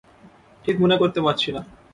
ঠিক মনে করতে পারছি না।